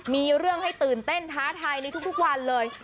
มีเรื่องให้ตื่นเต้นท้าทายในทุกวันเลย